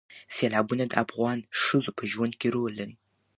سیلابونه د افغان ښځو په ژوند کې رول لري.